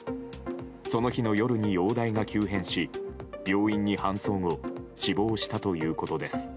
その日の夜に容体が急変し病院に搬送後死亡したということです。